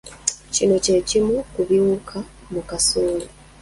Kino kye kimu ku biwuka mu kasooli.